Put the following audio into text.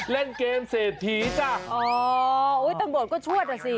เล่นเกมเศรษฐีจ้ะอ๋ออุ้ยตำรวจก็ชวดอ่ะสิ